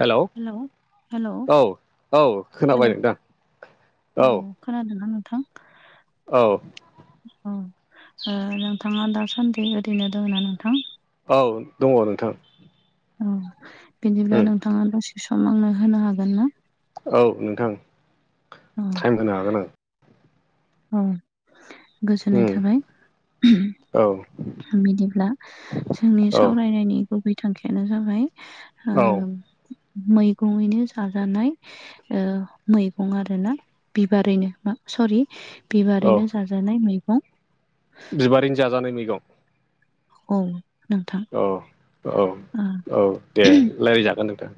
हेल' hello hello औ औ hello खोनाबाय नोंथां औ। खोनादोंना नोंथां? औ। औ ओ नोंथाङा दासान्दि ओरैनो दङना नोंथां? औ दङ नोंथां। औ बिदिब्ला उम नोंथाङा दसे सम आंनो होनो हागोनना? औ नोंथां टाइम होनो हागोन आं। ओं गोजोननाय उम थाबाय। औ बिदिब्ला जोंनि सावरायनायनि गुबै थांखियानो जाबाय ओ औ। मैगङैनो जाजानाय ओ मैगं आरोना बिबारैनो मा सरि औ बिबारैनो जाजानाय मैगं। बिबारैनो जाजानाय मैगं औ नोंथां। औ औ ओ औ दे रायलाय जागोन नोंथां।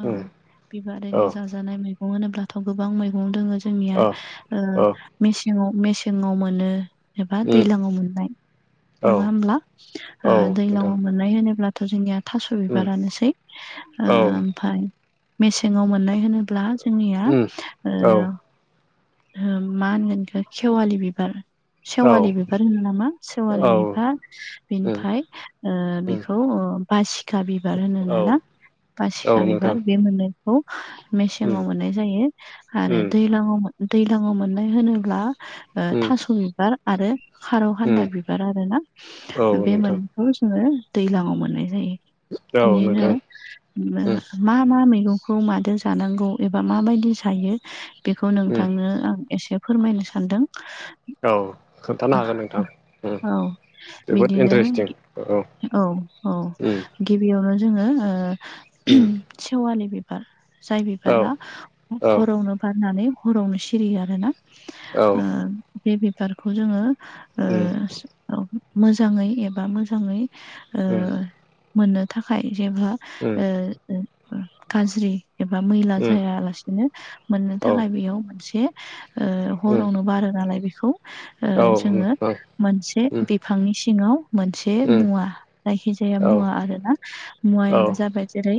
औ उम बिबारैनो औ जाजानाय मैगं होनोब्लाथ' गोबां मैगं दङ जो जोंनिया औ औ मेसेङाव मेसेंआव मोनो। एबा उम दैज्लाङाव मोननाय। औ नङा होमब्ला? ओ औ नोंथां दैलांआव मोननाय होनोब्लाथ' जोंनिया थास' उम बिबारानोसै। ओ औ ओमफाय मेसेङाव मोननाय होनोब्ला जोंनिया उम ओ औ हो मा होनगोनखौ इखो खेवालि बिबार औ सेवालि बिबार होनो नामा सेवालि उम बिबार बिनिफ्राय ओ उम बेखौ ओ बासिखा बिबार औ होनोना औ बासिखा नोंथां बिबार बे मोनै खौ उम मेसेङाव मोननाय जायो आरो उम दैज्लाङाव मो दैलाङाव मोननाय होनोब्ला उम थास' बिबार आरो खारौ उम खान्दा बिबार आरोना औ बे नोंथां मोनैखौ जोङो दैलाङाव मोननाय जायो। औ बिनिनो नोंथां उम मा मा मैगंखौ मादो जानांगौ एबा माबायदि जायो बेखौ नो उम थांनो आं एसे फोरमायनो सानदों। औ खोन्थानो हागोन नोंथां उम। औ जोबोद बिदिनो इन्टारेस्टिं औ औ। उम गिबियावनो जोङो ओ उम सेवालि बि बिबार जाय औ बिबारा औ हरावनो बारनानै हरावनो सिरियो आरोना। ओ औ। बे बिबारखौ जोङो उम ओ मोजाङै एबा मोजाङै ओ उम। मोननो थाखाय जेबो उम गाज्रि एबा मैला उम जायालासिनो मोननो औ थाखाय बेयाव मोनसे ओ उम हरावनो बारो नालाय बेखौ औ उम जोङो ओं मोनसे उम फांनि सिङाव मोनसे उम मुवा जायखिजाया औ मुवा औ आरो ना औ मुवायानो जाबाय जेरै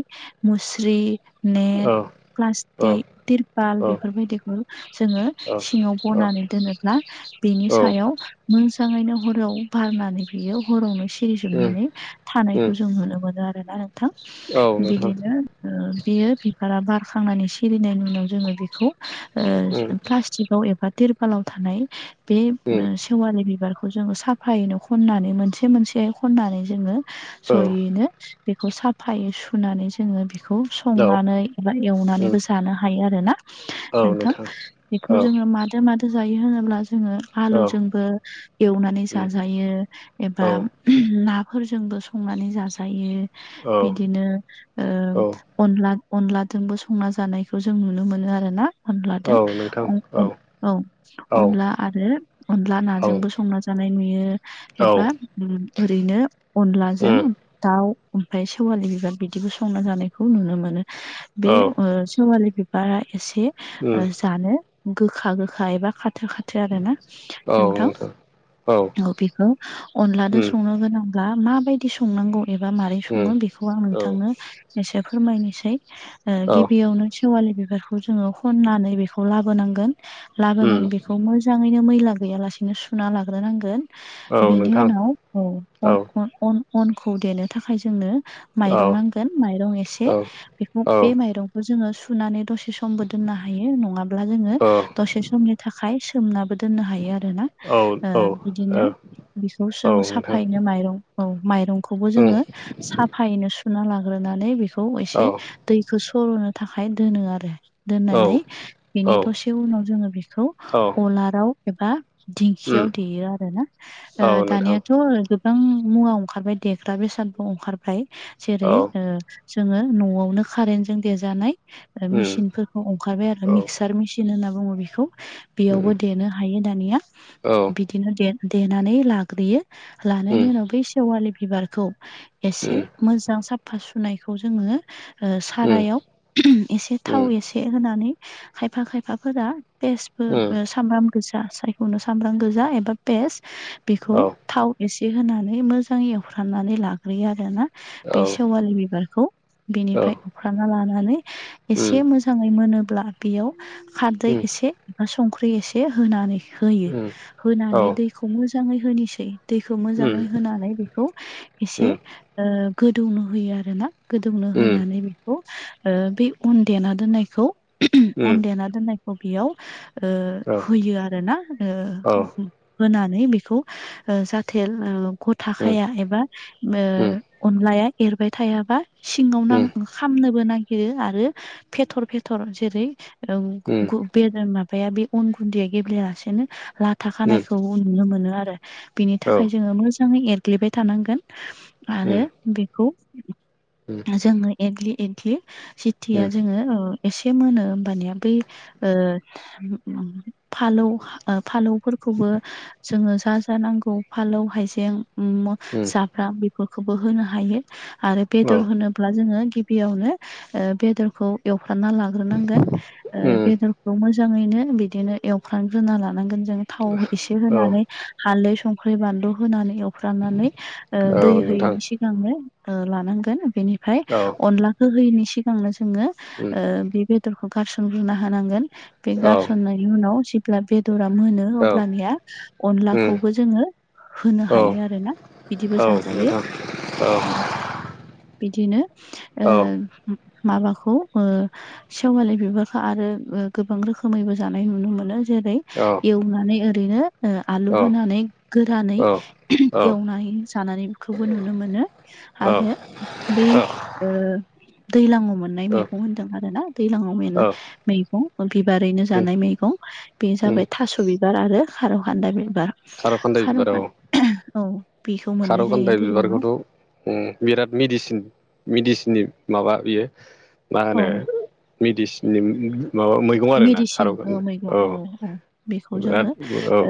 मुस्रि नेट औ औ प्लास्टिक तिरपाल बे बेफोरबायदिखौ जोङो सिङाव बनानै दोनोब्ला बेनि सायाव मोजाङैनो हराव बारनानै बियो हरावनो सि उम सिरिजोबनानै उम थानायखौ जों नुनो मोनो आरोना नोंथां। औ नोंथां बिदिनो ओ बेयो बिबारा बारखांनानै सलिनायनि उनाव जोङो बेखौ ओ उम प्लासतिकाव एबा तिरपालाव थानाय बे खेवालि बिबारखौ जोङो साफायैनो खननानै मोनसे मोनसे खननानै जोङो औ जयैनो बेखौ साफायै सुनानै जोङो बे खौ औ संनानै एबा उम एवनानैबो जानो हायो आरोना। नोंथां बेखौ औ जोङो मादो मादो जायो होनोब्ला जोङो औ आलुजोंबो एवनानै उम जाजायो एबा औ नाफोरजोंबो संनानै जाजायो। औ बिदिनो ओ औ अनला अनलादोंबो संना जानायखौ जों नुनो मोनो आरो ना। अनलाजों औ नोंथां अ-अ औ औ अनला आरो अनला नाजोंबो संना जा नाय नुयो औ एबा ओरैनो अनलाजों उम दाउ ओमफ्राय सेवालि बिबार बिदिबो संना जानायखौ नुनो मोनो। बे औ ओ सेवालि बिबारा एसे उम ओ जानो गोखा गोखा एबा खाथो खाथो आरो ना नोंथां औ बेखौ अनलाजों उम संनो गोनां माबायदि संनांगौ एबा मारै उम सङो बे खौ आं औ नोंथांनो एसे फोरमायनोसै ओ औ गिबियावनो सेवालि बिबारखौ जोङो खनानै बेखौ लाबोनांगोन उम लाबोनानै बेखौ मो मोजाङैनो मैला गैयालासिनो सुना लाग्रोनांगोन औ बेनि नोंथां उनाव औ औ अन अन अनखौ देनो थाखाय जोंनो औ माइरं नांगोन माइरं एसे औ बेखौ औ बे माइरंखौ जोङो सुनानै दसे सम दोननो हायो नङाब्ला जोङो औ दसे समनि थाखाय सोमनाबो दोननो हायो आरोना औ ओ औ बिदिनो बिखौ औ जो नोंथां साफायनो माइरं औ माइरंखौबो उम जोङो साफायैनो सुना लाग्रोनानै बेखौ औ एसे दैखौ सर'नो थाखाय दोनो आरो औ दोननानै औ बिनि दसे उनाव जोङो बेखौ औ अलाराव एबा उम दिंखियाव देयो आरो ना ओ औ नोंथां दानिाथ' गोबां मुवा ओंखारबाय देग्रा बेसादबो ओंखारबाय औ जेरै ओ जोङो न'आवनो कारेन्टजों देजानाय ओ उम मेसिनफोरखौ ओंखारबाय आरो औ मिक्सार मेसि होनना बुङो बेखौ उम बेयावबो देनो हायो दानिया औ बिदिनो दे देनानै लाग्रोयो लानायनि उम उनाव बै सेवालि बिबारखौ एसे उम मोजां साफा सुनायखौ जोङो ओ उम सारायाव एसे उम उम थाव एसे होनानै खायफा खायफाफोरा फियाबो औ ओ सामब्राम गोजा सायखौनो सामब्राम गोजा एबा पेस्ट बेखौ औ थाव एसे होनानै मोजां एवफ्रामनानै लाग्रोयो आरो ना औ बे सेवालि बिबारखौ बेनिफ्राय एवखांना लानानै उम उम एसे मोजाङै मोनोब्ला बेयाव खारदै उम औ उम एसे संख्रि एसे होनानै होयो उम औ होनानै दै खौ मोजाङै होनोसै दैखौ मोजाङै होनानै बेखौ एसे ओ गोदौनो होयो आरो ना गोदौनो होनानै बेखौ ओ बे अन देना दोनाय देना दोननायखौ बेयाव होयो आरो ना ओ उ उ होनानै बेखौ ओ जाहाथे गथा उम थाखाया एबा उम ओ अनलाया एरबाय थायाबा सिङाव उम नांं खामनोबो नागिरो आरो फेथर फेथर जेरै वो औ गु बेद माबाया बे अन गुन्दैया गेब्लेलासेनो लाथा खानायखौ नुनो मोनो आरो बिनि थाखाय जोङो मोजाङै एरग्लिबाय थानांगोन आरो बेखौ उम जोङो एग्लि एग्लि सिटिया ङो एसे मोनो होमबानिया ओ फालौ ओ फालौफोरखौबो जोङो जा जानांगौ फालौ हाइजें म जा बेफोरखौबो होनो हायो आरो बेदर होनो ब्ला जोङो गिबियावनो ओ बेदरखौ एवफ्रानना लाग्रोनांगोन ओ बेदर खौ मोजाङैनो बिदिनो एवफ्र्रांग्रोना लानांगोन जों थाव एसे होनानै। हालदै, संख्रि, बानलु होनानै एवफ्रानानै ओ दै औ नोंथां होयैनि सि गांनो ओ लानांगोन बेनिफ्राय औ अनलाखौ होयैनि सिगांनो जोङो उ ओ बे बेदरखौ गारसोमग्रोनना होनांगोन बे औ गारसननायनि उनाव जेब्ला बेदरा मोनो औ अब्लानिया अनलाखौबो जोङो होनो औ हायो आरोना बिदिबो जाजायो। ओ। बिदिनो ओ औ औ माबाखौ ओ सेवालि बिबारखौ आरो ओ गोबां रोखोमैबो जानाय नुनो मोनो जेरै औ। एवनानै ओरैनो ओ आलु औ औ होनानै गोरानै एवनाय जानानैखौबो नुनो मोनो। आरो बै ओ दैलाङ' नाय मेगं होन्दों आरो ना दैलाङाव मोन्नाय मैगं बिबारैनो उम जानाय मैगं, बे उम जाबाय थास' बिबार आरो खारौ खान्दाय बिबार खारौ खान्दाय बिबार औ। औ बेखौ मोननाय खारौ जायो खान्दाय दैलाङाव बिबारखौथ' उम बिराद मेडिसिन मेडिसिननि माबा बियो मा औ होनो मेडिसिननि माबा मैगं आरोना खारौ मेडिसिन ओ खान्दाय मैगं औ ओ औ बेखौ बिराद जोङो औ ओ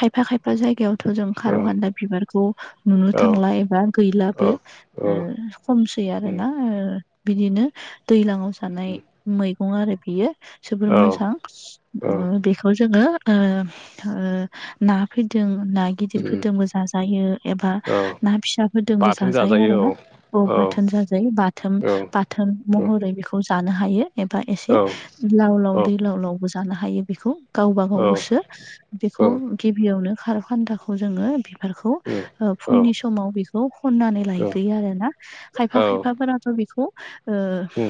खायफा खायफा जायगायावथ' जों खारौ औ खान्दा बिबारखौ नुनो औ थांला एबा गैला। औ बो औ ओ खमसै उम आरोना ओ बिदिनो दैलाङाव जानाय उम मैगं आरो बेयो औ जोबोर मोजां औ उम बेखौ जोङो ओ ओ ना फैजों नाय उम गिदिरफोरजोंबो जाजायो एबा औ ना फिसाफोरजोंबो जाजायो आरो ना। औ बाथोन जाजायो, बाथोन औ बाथोन महरै बेखौ जानो हायो एबा औ एसे उम लाव लाव औ दै लाव लावबो जानो हायो बेखौ गावबा औ गाव गोसो बेखौ उम उम गिबियावनो खारौ खान्दाखौ जोङो बिबारखौ उम ओ औ फुंनि समाव बेखौ खन्नानै औ लायग्रोयो आरो ना। खायफा औ खायफा फोराथ' बिखौ ओ उम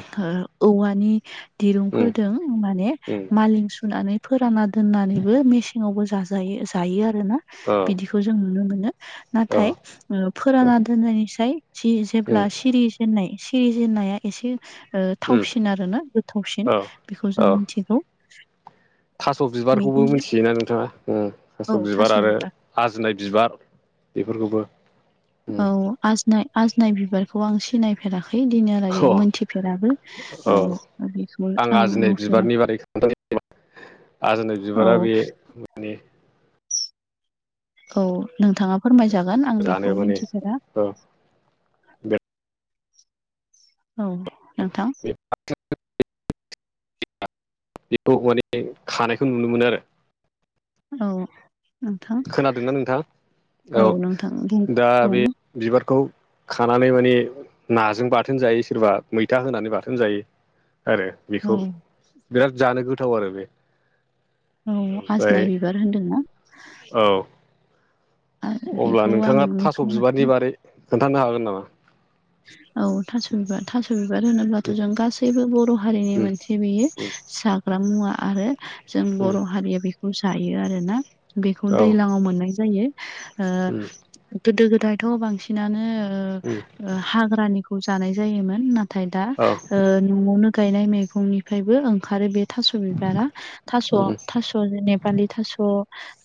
ओ औवानि दिरुंफोरदों माने उम औ मालिं सुनानै फोराना दोननानैबो मेसेङावबो जाज् जायो जायो आरोना बिदिखौ जों नुनो मोनो, नाथाय ओ फोराना दोननायनिसाय जि जेब्ला सिरि जेन्नाय सिरि जेन्नाया एसे ओ थावसिन आरो ना गोथावसिन बेखौ औ जों मिथिगौ। थास' बिबारखौबो बिदिनो मिथियोना नोंथाङा ओ थास' बिबार आरो आजिनाय बिबार बेफोरखौबो। उम औ, अ आजनाय आजनाय बिबारखौ आं सिनाय फेराखै दिनैहालागै मोनथिफेराबो औ ओ बेखौ आं नुफेरा बिबारनि बारै खोनथानि आजोनाय औ बिबारा बे माने औ, नोंथाङा फोरमायजागोन आं बेखौ मिन्थिफेरा। ओ औ, नोंथां। [unintelligible] बेखौ माने खानायखौ नुनो मोनो आरो। औ नोंथां, खोनादोंना नोंथां औ नोंथां दि दा बुं। बे बिबारखौ खानानै मानि नाजों बाथोन जायो सोरबा मैथा होनानै बाथोन जायो आरो। औ बिखौ, बिराद जानो गोथाव आरो बे। औ, ओमफ्राय आजिनाय बिबार होनदोंना? औ। अब्ला बेखौ आं नोंथाङा थास' बिबारनि नुफेराखै बारै खोन्थानो हागोन नामा? औ थास' बिबार थास' बिबार होनोब्लाथ' जों गासैबो बर' हारिनि मोनसे बियो जाग्रा मुवा आरो जों बर' हारिया बि खौ जायो आरोना बेखौ औ दैलाङाव मोननाय जायो उम ओ गोदो गोदायथ' बांसिनानो ओ उम ओ हाग्रानिखौ जानाय जायोमोन ना नाथाय दा औ ओ न'आवनो गायनाय मैगंनिफ्रायबो ओंखारो बे थास' बिबारा थास' उम थास' जेनेबालि थास'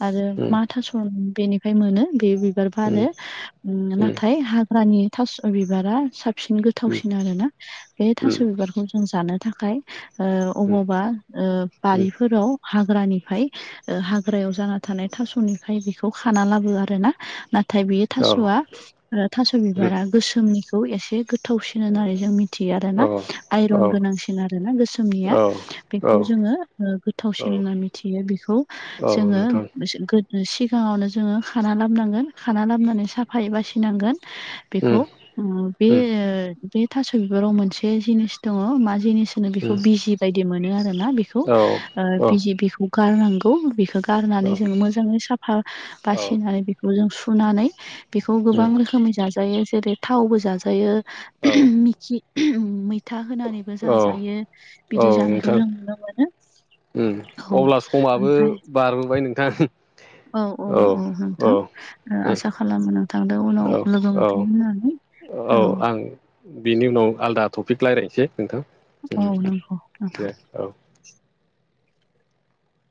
आरो उम मा थास' बेनि फ्राय मोनो बे बिबार बारो उम आरो नाथाय हाग्रानि थास' बिबारा साबसिन उम गोथावसिन आरोना बे थास' बिबारखौ जों जानो थाखाय ओ अबावबा उम बारिफोराव हाग्रानिफ्राय हाग्रायाव जाना थानाय थास'निफ्राय बेखौ खाना लाबो आरो ना नाथाय बेयो औ थास'आ थास' उम बिबारा गोसोमनिखौ एसे गोथावसिन होननानै जों मिथि यो आरो ना औ आइरन गोनांसिन आरोना गोसोमनिया औ बेखौ औ जोङो गोथावसिन औ होनना मिथियो बेखौ औ नोंथां जोङो सिगाङावनो जोङो खाना लाबनांगोन खाना लाबनानै साफायै बासिनांगोन उम बेखौ बे उम ओ बे थास' बिबाराव मोनसे जिनिस दङ मा जिनिस बेखौ उम बिजि बायदि मोनो आरो ना बेखौ औ औ बिजि बेखौ गारनांगौ बेखौ गारनानै औ जोङो मोजाङै साफा औ बासिनानै बेखौ जों सुनानै बेखौ गोबां उम रोखोमै जाजायो जेरै थावबो जाजायो औ औ मिखि मैथा होनानैबो औ जाजायो बिदि जानायखौ जों नुनो मोनो उ औ अब्ला समाबो ओमफ्राय बारबोबाय नोंथां औ औ औ नोंथां औ उम आसा खालामो नोंथां दो उनाव औ लोगो मोनफिनगोन होननानै औ बेनि उनाव आलदा टपिक रायज्लायसै नोंथां औ उ नंगौ नोंथां दे औ